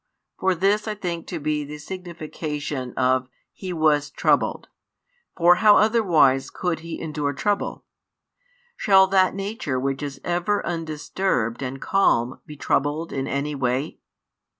For this I think to be the signification of "He was troubled;" for how otherwise could He endure trouble? Shall that Nature which is ever undisturbed and calm be troubled in any way?